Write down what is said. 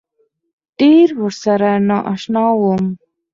ډېر ورسره نا اشنا وم.